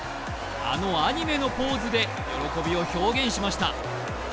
あのアニメのポーズで喜びを表現しました。